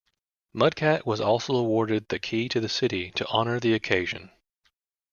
Mudcat was also awarded the key to the city to honor the occasion.